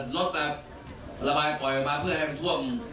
รถระบายปล่อยออกมาเพื่อให้มันท่วม